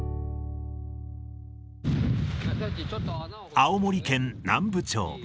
青森県南部町。